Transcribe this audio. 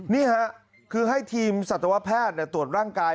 นี่ค่ะคือให้ทีมสัตวแพทย์ตรวจร่างกาย